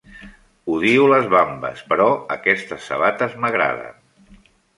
Odio les vambes, però aquestes sabates m'agraden.